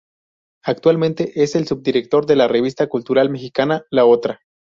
Actualmente es el subdirector de la revista cultural mexicana, "La Otra.